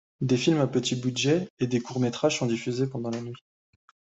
Des films à petit budget et des courts-métrages sont diffusés pendant la nuit.